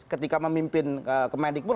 ketika memimpin ke medikbun